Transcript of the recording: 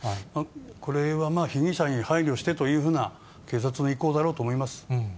これは被疑者に配慮してというような警察の意向だろうと思います。